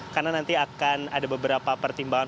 karena nanti akan ada beberapa pertimbangan